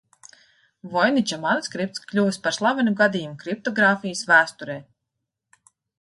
Voiniča manuskripts kļuvis par slavenu gadījumu kriptogrāfijas vēsturē.